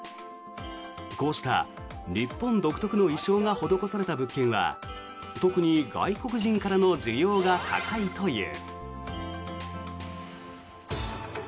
こうした日本独特の意匠が施された物件は特に外国人からの需要が高いという。